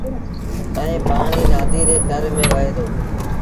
ائيٚݩ پآڻيٚ نآديٚ ري تر ميݩ وهي دو۔